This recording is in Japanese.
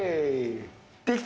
できた！